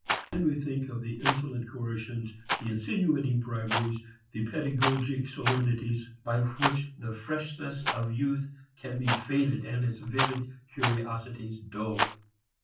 Then we think of the insolent coercions, the insinuating briberies, the pedagogic solemnities by which the freshness of youth can be faded and its vivid curiosities dulled.